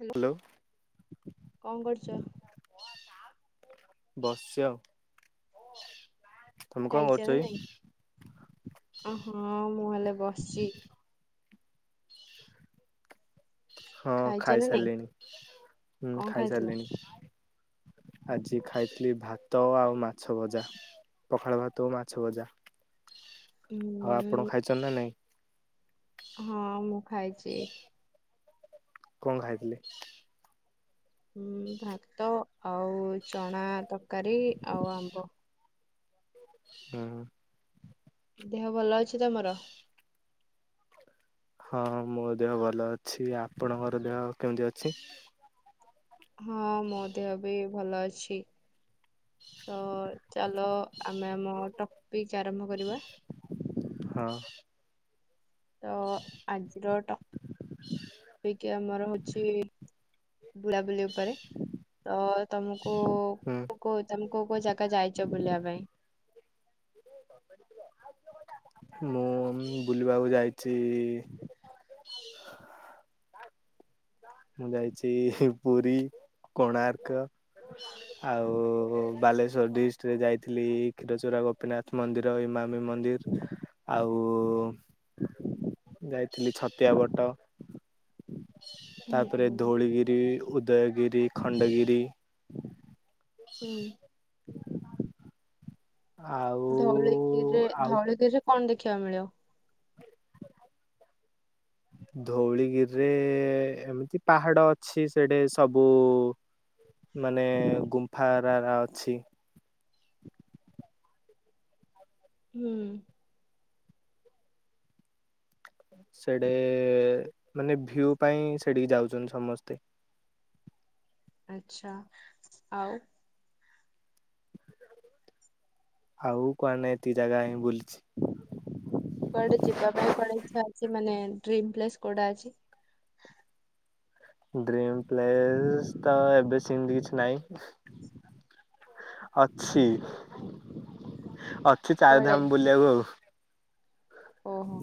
Hello କଣ କରୁଛ? ବସିଛି ଆଉ। ତମେ କଣ ଖାଇଛ କରୁଛ ନା କି ନାଇଁ ହଁ ମୁଁ ହେଲେ ବସିଛି। ହଁ ଖାଇଛ ନା ନାଇଁ ଖାଇସାରିଲିଣି ହୁଁ କଣ ଖାଇଥିଲ ଖାଇସାରିଲିଣି। ଆଜି ଖାଇଥିଲି ଭାତ ଆଉ ମାଛ ଭଜା। ପଖାଳ ଭାତ ମାଛ ଭଜା ଆଉ ଆପଣ ଉଁ ଖାଇଛନ୍ତି ନା ନାଇଁ? ହଁ ମୁଁ ଖାଇଛି। କଣ ଖାଇଥିଲେ? ହଁ ଭାତ ଆଉ ଚଣା ତରକାରୀ ଆଉ ଆମ୍ବ। ହୁଁ। ଦେହ ଭଲ ଅଛି ତମର? ହଁ ମୋ ଦେହ ଭଲ ଅଛି। ଆପଣଙ୍କର ଦେହ କେମିତି ଅଛି? ହଁ ମୋ ଦେହ ବି ଭଲ ଅଛି। ତ ଚାଲ ଆମେ ଆମ ପିକ ଆରମ୍ଭ କରିବା। ହଁ। ତ ଆଜିର ଟପିକ୍ ଆମର ହଉଛି ବୁଲାବୁଲି ଉପରେ, ତ ତମକୁ ହୁଁ କଉ କୋଉ ତମେ କୋଉ କୋଉ ଜାଗା ଯାଇଛ ବୁଲିବା ପାଇଁ? ମୁଁ ବୁଲିବାକୁ ଯାଇଛି ମୁଁ ଯାଇଛି ପୁରୀ, କୋଣାର୍କ ଆଉ ବାଲେଶ୍ୱର ଡିଷ୍ଟଟରେ ଯାଇଥିଲି ଖିରଚରା ଗୋପୀନାଥ ମନ୍ଦିର ମ ମନ୍ଦିର ଆଉ ଯାଇଥିଲି ଛତିଆ ବଟ ହୁଁ ତାପରେ ହୁଁ ଧୋଉଳିଗିରି, ଉଦୟଗିରି, ଖଣ୍ଡଗିରି ହୁଁ। ଆଉ ଧଉଳିଗିରିରେ, ଆଉ ଧଉଳିଗିରିରେ କଣ ଦେଖିବା କୁ ମିଳେ? [inaudible] ଧଉଳିଗିରିରେ ଏମିତି ପାହାଡ ଅଛି ସେଠେ ସବୁ ମାନେ ଗୁମ୍ଫା ହେରାକ ଅଛି। [inaudible] ହୁଁ। ସେଟେ ମାନେ ଭିୟୁ ପାଇଁ, ସେଠିକି ଯାଉଛନ୍ତି ସମସ୍ତେ। ଆଚ୍ଛା ଆଉ ଆଉ କୁଆଡ଼େ ନାଇଁ ଏତିକି ଜାଗା ହିଁ ବୁଲିଛି। କୁଆଡେ ଯିବା ପାଇଁ କୁଆଡ଼େ ଇଚ୍ଛା ଅଛି ମାନେ ଡ୍ରିମ ପ୍ଲେସ୍ କୋଉଟା ଅଛି? ଡ୍ରିମ ପ୍ଲେସ ତ ଏବେ ସେମିତି କିଛି ନାହିଁ। ଅଛି ଅଛି। ଅଛି କୁଆଡେ ଚାରିଧାମ ବୁଲିବାକୁ ଆଉ। ଓହୋ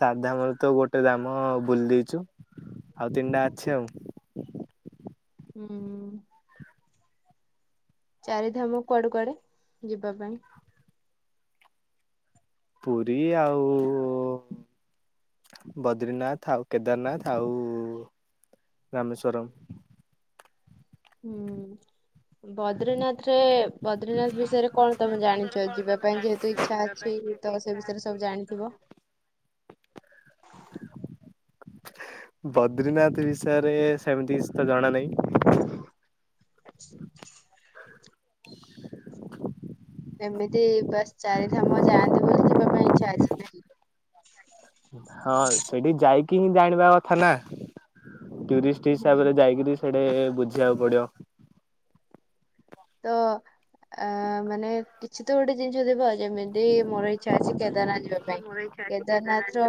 ଚାରି ଧାମ ର ତ ଗୋଟେ ଧାମ ବୁଲି ଦେଇେଇଛୁ ଆଉ ତିନିଟା ଅଛି ଆଉ। ହୁଁ। ଚାରିଧାମ କୁଆଡେ କୁଆଡେ ଯିବା ପାଇଁ ପୁରୀ ଆଉ ବଦ୍ରିନାଥ ଆଉ କେଦାରନାଥ ଆଉ ରମେଶ୍ୱରମ। ହୁଁ। ବଦ୍ରୀନାଥ ରେ ବଦ୍ରୀନାଥ ବିଷୟରେ, କଣ ତମେ ଜାଣିଛ ଯିବା ପାଇଁ ଯେହେତୁ ଇଚ୍ଛା ଅଛି ତ ସେ ବିଷୟରେ ସବୁ ଜାଣିଥିବ। ବଦ୍ରିନାଥ ବିଷୟରେ, ସେମିତି ତ ଜଣା ନାହିଁ [inaudible] ଏମିତି ବାସ୍ ଚାରିଧାମ ଯାଆନ୍ତି ବୋଲି ଯିବା ପାଇଁ ଇଛା ଅଛି ନାହିଁ। ହଁ ସେଠି ଯାଇକି, ହିଁ ଜାଣିବା କଥା ନା। ଟୁରିଷ୍ଟ ହୁଁ ହିସାବରେ ଯାଇକରି ସେଠେ ବୁଝିବାକୁ ପଡିବ। ତ ମାନେ କିଛି ତ ଗୋଟେ ଜିନିଷ ଥିବ, ଯେମିତି ମୋର ଇଚ୍ଛା ଅଛି କେଦାରନାଥ ଯିବା କୁ ଭ କେଦାରନାଥ ର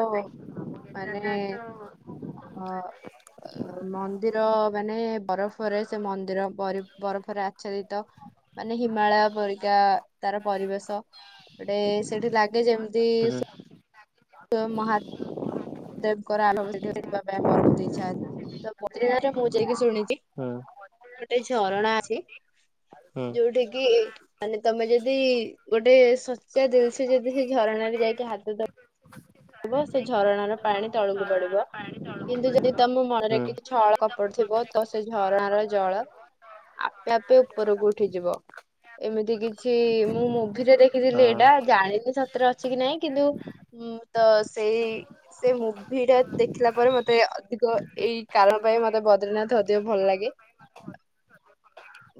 ମାନେ ଅ ଅ ମନ୍ଦିର ମାନେ ବରଫରେ ସେ ମନ୍ଦିର ବରଫରେ ଆଚ୍ଛାଦିତ ମାନେ ହିମାଳୟ ପରିକା ତାର ପରିବେଶ ଗୋଟେ ସେଠି ଲାଗେ ଯେମିତି ସୁ [inaudible] ଦେବଙ୍କର ଆିବା ପାଇଁ ମରକୁ ଦେଇନ୍ତି ତଦିନରେ ମୁଁ ଯାଇକି ଶୁଣିଛି ହୁଁ ଗୋଟେ ଝରଣା ଅଛି ହୁଁ ଯୋଉଠ କି ମାନେ ତମେ ଯଦି ଗୋଟେ ଶଚା ଦଲସ ଯଦି ସେ ଝରଣାରେ ଯାଇକି ହାତ ଦ ସେ ଝରଣାର ପାଣି ତଳକୁ ପଡିବ। କିନ୍ତୁ ଯଦି ତମ ମନରେ ହୁଁ କିଛି ଛଳ କପଟଥିବ ତ ସେ ଝରଣାର ଜଳ ଆପେ ଆପେ ଉପରକୁ ଉଠିଯିବ। ଏମିତି କିଛି ମୁଁ ମୁଭିରେ ଦେଖିଥିଲି ଏଇଟା ହଁ। ଜାଣିନି ସତରେ ଅଛି କି ନାଇଁ କିନ୍ତୁ ତ ସେଇ ସେ ମୁଭି ଟା ଦେଖିଲା ପରେ ମତେ ଅଧିକ ଏଇ କାରଣ ପାଇଁ ମତେ ବଦ୍ରନାଥ ଅଧିକ ଭଲ ଲାଗେ।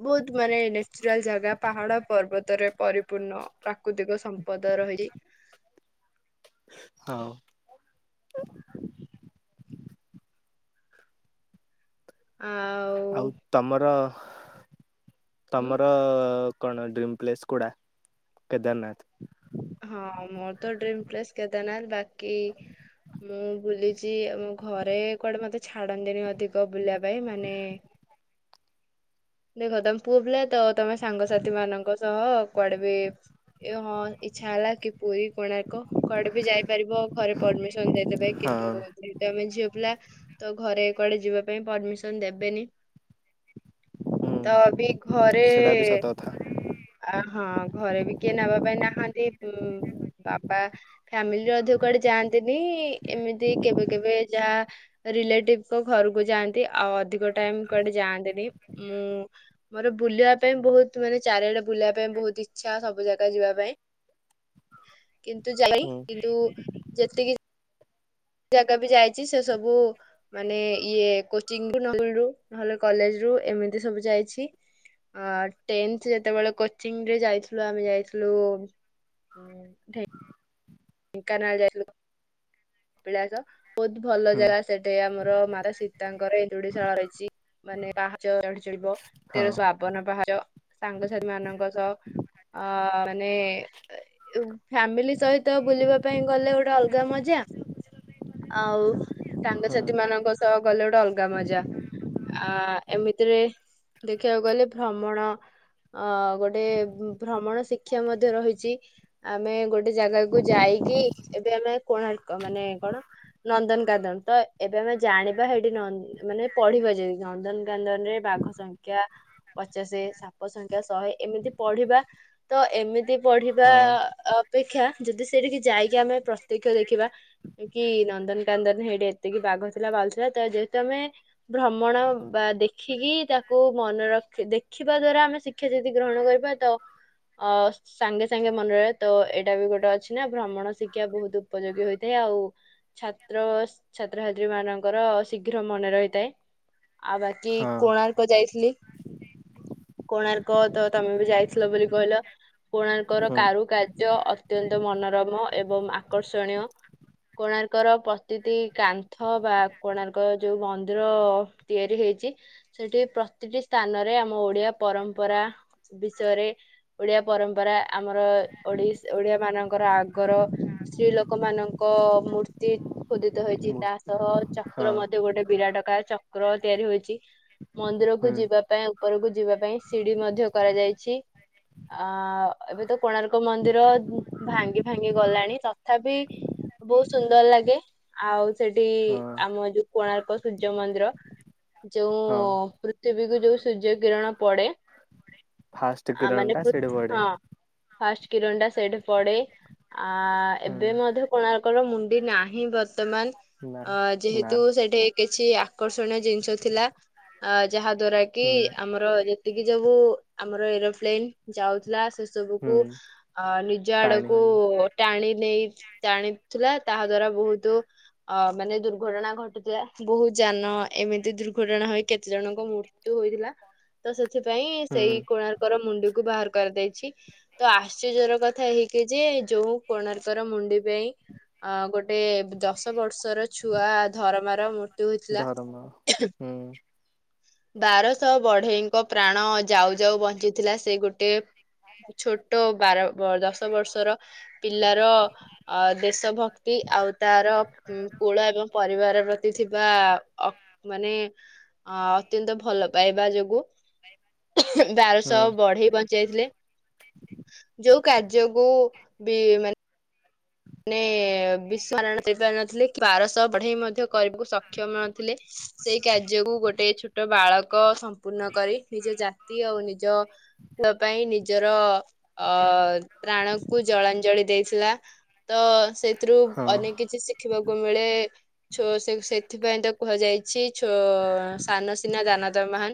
ବହୁତ ମାନେ ନାଚୁରାଲ ଜାଗା ପାହାଡ ପର୍ବତରେ ପରିପୂର୍ଣ୍ଣ ପ୍ରାକୃତିକ ସମ୍ପଦର [unintelligible] ହଉ। ଆଉ ତମର ହୁଁ ତମର କଣ ଡ୍ରିମ୍ ପ୍ଲେସ୍ କୁଡା କେଦାରନାଥ। ହଁ ମୋର ତ ଡ୍ରିମ ପ୍ଲେସ କେଦାରନାଥ ବାକି ମୁଁ ବୁଲିଛି ମୋ ଘରେ କୁଆଡେ ମତେ ଛାଡନ୍ତିନି ଅଧିକ ବୁଲିବା ପାଇଁ ମାନେ ଦେଖ ତମେ ପୁଅ ବିଲ ତ ତମେ ସାଙ୍ଗସାଥି ମାନଙ୍କ ସହ କୁଆଡେ ବି ହଁ ଇ୍ଛା ହେଲା କି ପୁରୀ କୋଣାର୍କ କଆଡେ ବି ଯାଇପାରିବ ଘରେ ପରମିସନ ଦେ ଦେ କିନ୍ତୁ ହଁ ଆମେ ଝିଅ ିଲ ତ ଘରେ କୁଆଡେ ଯିବା ପାଇଁ ପରମିସନ ଦେବେନି। ହୁଁ ତ ବି ଘରେ ସେଟା ବି ସତ କଥା ହଁ ଘରେ ବି କିଏ ନେବା ପାଇଁ ନାହାନ୍ତି ବାପ ଫ୍ୟାମିଲିରେ ଅଧିକ କୁଡେ ଯାଆନ୍ତିନି ଏମିତି କେବେ କେବେ ଯାହା ରିଲେଟିଭଙ୍କ ଘରକୁ ଯାଆନ୍ତି ଆଉ ଅଧିକ ଟାଇମ କୁଆଡେ ଯାଆନ୍ତିନି। ମୁଁ ମୋର ବୁଲିବା ପାଇଁ ବହୁତ ମାନେ ଚାରିଆଡେ ବୁଲିବା ପାଇଁ ବହୁତ ଇଚ୍ଛା ସବୁ ଜାଗା ଯିବା ପାଇଁ କିନ୍ତୁ ଯାଇ ହୁଁ କିନ୍ତୁ ଯେତିକି ଜାଗା ବି ଯାଇଛି ସେ ସବୁ ମାନେ ଇଏ କୋଚିଂ ର ନହଲେ କଲେଜ ରୁ ରୁ ଏମିତି ସବୁ ଯାଇଛି। ଆ ଟେନ୍ଥ ଯେତେବେଳେ କୋଚିଂ ରେ ଯାଇଥିଲୁ ଆମେ ଯାଇଥିଲୁ ହୁଁ ଠ କା ନା ଜଲ କପିଳାଶ ବହୁତ ଭଲ ହୁଁ ଜାଗା ସେଠି ଆମର ମାତା ସୀତାଙ୍କର ଏଇନ୍ଦୁଡିଶାଳ ରହିଛି। ମାନେ ପାହାଚ ଚଢି ଚଳିବ ହଁ। ତେରଶ ଆବନ ପାହାଚ ସାଙ୍ଗସାଥି ମାନଙ୍କ ସହ ଅ ମାନେ ଫ୍ୟାମିଲି ସହିତ ବୁଲିବା ପାଇଁ ଗଲେ ଗୋଟେ ଅଲଗା ମଜା ଆଉ ହଁ ସାଙ୍ଗସାଥି ମାନଙ୍କ ସହ ଗଲେ ଗୋଟେ ଅଲଗା ମଜା। ଆ ଏମିତିରେ ଦେଖିବାକୁ ଗଲେ ଭ୍ରମଣ ଅ ଗୋଟେ ଭ୍ରମଣ ଶିକ୍ଷା ମଧ୍ୟ ରହିଛି ଆମେ ଗୋଟେ ଜାଗାକୁ ଯାଇ ଏଇି ଏବେ ଆମେ କୋଣାର୍କ ମାନେ କଣ ନନ୍ଦନକାନନ ତ ଏବେ ଆମେ ଜାଣିବା ସେଇଠି ମାନେ ପଢିବା ଯଦି ନନ୍ଦନକାନନ ରେ ବାଘ ସଂଖ୍ୟା ପଚାଶ ସାପ ସଂଖ୍ୟା ଶହେ ଏମିତି ପଢିବା ତ ଏମିତି ପଢିବା ହଁ ଅପେକ୍ଷା ଯଦି ସେଠିକି ଯାଇକି ଆମେ ପ୍ରତ୍ୟକ୍ଷ ଦେଖିବା କି ନନ୍ଦନ କାନନ ହେଇଠି ଏତିକି ବାଘ ଥିଲା ଭାଲୁ ଥିଲା ତ ଯେହେତୁ ଆମେ ଭ୍ରମଣ ବା ଦେଖିକି ତାକୁ ମନେ ରଖି ଦେଖିବା ଦ୍ଵାରା ଆମେ ଶିକ୍ଷା ଯଦି ଗ୍ରହଣ କରିବା ତ ଅ ସାଙ୍ଗେ ସାଙ୍ଗେ ମନରେ ତ ଏଇଟା ବି ଗୋଟେ ଅଛି ନା ଭ୍ରମଣ ଶିକ୍ଷା ବହୁତ ଉପଯୋଗୀ ହେଇଛି। ଆଉ ଛାତ୍ର ଛାତ୍ରଛାତ୍ରୀ ମାନଙ୍କର ଶୀଘ୍ର ମନେ ରହିଥାଏ। ଆଉ ବାକି ହଁ କୋଣାର୍କ ଯାଇଥିଲି। କୋଣାର୍କ ତ ତମେ ବି ଯାଇଥିଲ ବୋଲି କହିଲ। କୋଣାର୍କ ର ହଁ କାରୁକାର୍ଯ୍ୟ ଅତ୍ୟନ୍ତ ମନୋରମ ଏବଂ ଆକର୍ଷଣୀୟ। କୋଣାର୍କର ପ୍ରତିତି କାନ୍ଥ ବା କୋଣାର୍କ ଯୋଉ ମନ୍ଦିର ତିଆରି ହେଇଚି। ସେଟି ପ୍ରତିଟି ସ୍ଥାନରେ ଆମ ଓଡିଆ ପରମ୍ପରା ବିଷୟରେ ଓଡିଆ ପରମ୍ପରା ଆମର ଓଡିଶ ଓଡିଆ ମାନଙ୍କର ଆଗର ସ୍ତ୍ରୀ ଲୋକ ମାନଙ୍କ ଏକ ମୂର୍ତ୍ତି ଖୋଦିତ ହେଇଚି। ମୂର୍ ତା ସହ ହଁ ଚକ୍ର ମଧ୍ୟ ଗୋଟେ ବିରାଟ କାସ୍ ଚକ୍ର ତିଆରି ହୋଇଚି। ମନ୍ଦିର କୁ ହୁଁ ଯିବା ପାଇଁ ଉପରକୁ ଯିବା ପାଇଁ ସିଡି ମଧ୍ୟ କରାଯାଇଛି। ଆ ଏବେ ତ କୋଣାର୍କ ମନ୍ଦିର ଭାଙ୍ଗି ଭାଙ୍ଗି ଗଲାଣି ତଥାପି ବହୁତ ସୁନ୍ଦର ଲାଗେ। ଆଉ ସେଟି ହଁ ଆମ ଯୋଉ କୋଣାର୍କ ସୂର୍ଯ୍ୟ ମନ୍ଦିର ଯୋଉ ହଁ। ପୃଥିବୀକୁୁ ଯୋଉ ସୂର୍ଯ୍ୟ କିରଣ ପଡେ ଫାଷ୍ଟ ଆ କିରଣ ମାନେ ଟା ସେଠି ପୃଥି ପଡେ ହଁ ଫାଷ୍ଟେ କିରଣ ଟା ସେଇଠି ପଡେ। ଆ ଏବେ ହୁଁ ମଧ୍ୟ କୋଣାର୍କର ମୁଣ୍ଡି ନାହିଁ ବର୍ତ୍ତମାନ। ନା ଅ ନା ଯେହେତୁ ସେଠି କିଛି ଆକର୍ଷଣୀୟ ଜିନିଷ ଥିଲା ଅ ଯାହା ଦ୍ଵାରା କି ହୁଁ ଆମର ଯେତିକି ଯବୁ ଆମର ଏରୋପ୍ଲେନ ଯାଉଥିଲା ହୁଁ ସବୁକୁ ଅ ନିଜ ଟାଣି ଆଡକୁ ଟାଣି ନେଇ ଟାଣିଥିଲା। ତାହା ଦ୍ଵାରା ବହୁତ ଅ ମାନେ ଦୁର୍ଘଟଣା ଘଟୁଥିଲା। ବହୁତ ଯାନ ଏମିତି ଦୁର୍ଘଟଣା ହୋଇ କେତେ ଜଣଙ୍କ ମୃତ୍ୟୁ ହୋଇଥିଲା। ତ ସେଥିପାଇଁ ସେଇ ହୁଁ କୋଣାର୍କର ମୁଣ୍ଡିକୁ ବାହାର କରିଦେଇଛି। ତ ଆଶ୍ଚର୍ଯ୍ୟର କଥା ଏହି ଜେଜେ ଯୋଉ କୋଣାର୍କର ମୁଣ୍ଡି ପାଇଁ ଗୋଟେ ଦଶ ବର୍ଷର ଛୁଆ ଧରମାର ମୋ ଧରମ [unintelligible] ହୁଁ। ବାରଶହ ବଢେଇଙ୍କ ପ୍ରାଣ ଯାଉ ଯାଉ ବଞ୍ଚିଥିଲା ସେ ଗୋଟେ ଛୋଟ ବାର ବ ଦଶ ବର୍ଷର ପିଲାର ଅ ଦେଶ ଭକ୍ତି ଆଉ ତାରଉ କୂଳ ଏବଂ ପରିବାର ପ୍ରତି ଥିବା ଅ ମାନେ ଅ ଅତ୍ୟନ୍ତ ଭଲ ପାଇବା ଯୋଗୁ। ହୁଁ ବାରଶହ ବଢେଇ ବଞ୍ଚେଇଥିଲେ। ଯୋଉ କାର୍ଯ୍ୟକୁ ବି ମାନେ ମାନେ ବିଶରଣ କରିପାରନଥିଲେ ବାରଶହ ବଢେଇ ମଧ୍ୟ କରିବାକୁ ସକ୍ଷମ ନଥିଲେ। ସେଇ କାର୍ଯ୍ୟକୁ ଗୋଟେ ଛୋଟ ବାଳକ ସମ୍ପୂର୍ଣ୍ଣ କରି ନିଜ ଜାତି ଆଉ ନିଜ ପାଇଁ ନିଜର ଅ ପ୍ରାଣ କୁ ଜଳାଞ୍ଜଳି ଦେଇଥିଲା। ତ ସେଥିରୁ ଅନେକ ହଁ କିଛି ଶିଖିବାକୁ ମିଳେ ଛୋ ସେଥିପାଇଁ ତ କୁହାଯାଇ ଇଛି ସାନ ସିନା ଦାନ ତା ମହାନ।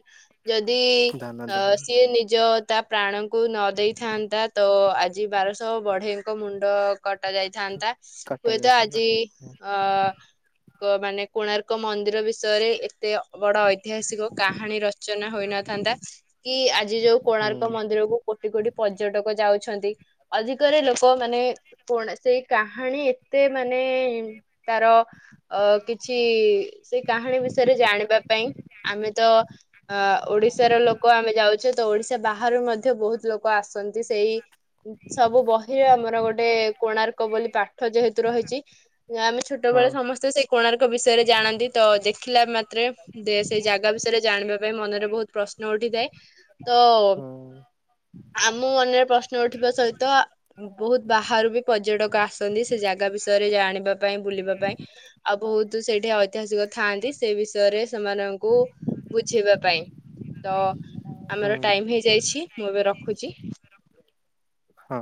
ଯଦି ଧାନ ଅ ଦବ ସିଏ ନିଜ ତା ପ୍ରାଣଙ୍କୁ ନ ଦେଇଥାନ୍ତା। ତ ଆଜି ବାରଶହ ବଢ଼େଇଙ୍କ ମୁଣ୍ଡ କଟା ଯାଇଥାନ୍ତା, କଟା ହୁଏତ ଯାଇଥାନ୍ତା ଆଜି ଅ କ ମାନେ କୋଣାର୍କ ମନ୍ଦିର ବିଷୟରେ ଏତେ ବଡ ଐତିହାସିକ କାହାଣୀ ରଚନା ହଉ ହୋଇଥାନ୍ତା କି ଆଜି ଯୋଉ ହୁଁ କୋଣାର୍କ ମନ୍ଦିର କୁ କୋଟି କୋଟି ପର୍ଯ୍ୟଟକ ଯାଉଛନ୍ତି। ଆଜିକାଲି ଲୋକମାନେ। କୋଣ ସେଇ କାହାଣୀ ଏତେ ମାନେ ତାର ଅ କିଛି ସେ କାହାଣୀ ବିଷୟରେ ଜାଣିବା ପାଇଁ ଆମେ ତ ଅ ଓଡିଶାର ଲୋକ ଆମେ ଯାଉଛେ ତ ଓଡିଶା ବାହାରୁ ମଧ୍ୟ ବହୁତ ଲୋକ ଆସନ୍ତି ସେଇ ସବୁ ବହିରେ ଆମର ଗୋଟେ କୋଣାର୍କ ବୋଲି ପାଠ ଯେହେତୁ ରହିଛି ଆମେ ହଁ ଛୋଟବେେଳେ ସମସ୍ତେ ସେଇ କୋଣାର୍କ ବିଷୟରେ ଜାଣନ୍ତି ତ ତ ଦେଖିଲା ମାତ୍ରେ ଦେ ସେ ଜାଗା ବିଷୟରେ ଜାଣିବା ପାଇଁ ମନରେ ବହୁତ ପ୍ରଶ୍ନ ଉଠିଥାଏ ତ ହୁଁ। ଆମ ମନରେ ପ୍ରଶ୍ନ ଉଠିବା ସହିତ ଅ ବହୁତ ବାହାରୁ ବି ପର୍ଯ୍ୟଟକ ଆସନ୍ତି ସେ ଜାଗା ବିଷୟରେ ଜାଣିବା ପାଇଁ ବୁଲିବା ପାଇଁ, ଆଉ ବହୁତ ସେଇଠି ଐତିହାସିକ ଥାଆନ୍ତି ସେ ବିଷୟରେ ସେମାନଙ୍କୁ ବୁଝେଇବା ପାଇଁ। ତ ହୁଁ ଆମର ଟାଇମ ହେଇଯାଇଛି ମୁଁ ଏବେ ରଖୁଛି। ହଁ।